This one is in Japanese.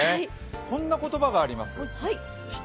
こんな言葉があります。